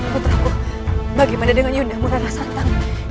putraku bagaimana dengan yunda muradah santang